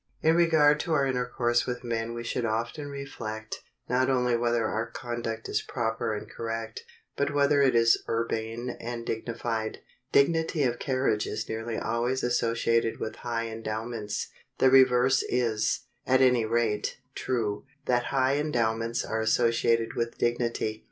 In regard to our intercourse with men we should often reflect, not only whether our conduct is proper and correct, but whether it is urbane and dignified. Dignity of carriage is nearly always associated with high endowments; the reverse is, at any rate, true, that high endowments are associated with dignity.